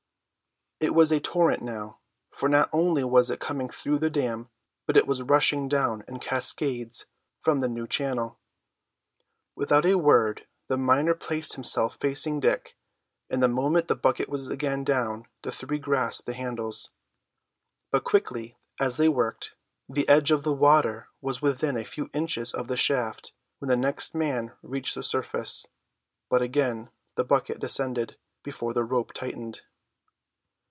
It was a torrent now, for not only was it coming through the dam, but it was rushing down in cascades from the new channel. Without a word the miner placed himself facing Dick, and the moment the bucket was again down the three grasped the handles. But quickly as they worked, the edge of the water was within a few inches of the shaft when the next man reached the surface; but again the bucket descended before the rope tightened.